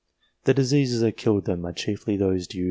The diseases that killed them are chiefly those due